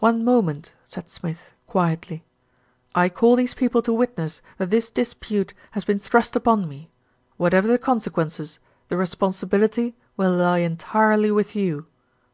"One moment," said Smith quietly. "I call these people to witness that this dispute has been thrust upon me. Whatever the consequences, the responsibil ity will lie entirely with you."